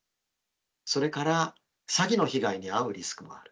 それから詐欺の被害に遭うリスクもある。